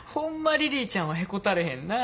リリーちゃんはへこたれへんな。